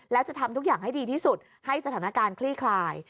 แล้วจะทำทุกอย่างให้ดีที่สุดให้สถานการณ์คลี่คลาย